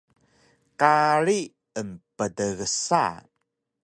Kari emptgsa